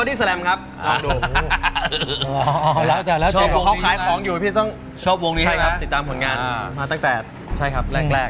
โอ้นะหลังอันแล้วพี่ต้องติดตามของงาน